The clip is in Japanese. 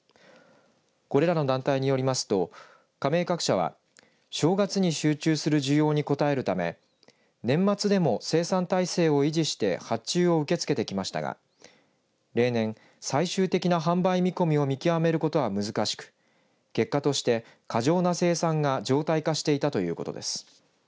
これらの団体によりますと加盟各社は正月に集中する需要に応えるため年末でも生産体制を維持して発注を受け付けてきましたが例年、最終的な販売見込みを見極めることは難しく結果として過剰な生産が常態化していたということです。